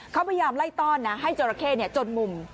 เขาพยายามไล่ต้อนให้เจ้าระเข้จนหมุม